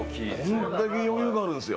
こんだけ余裕があるんだよ。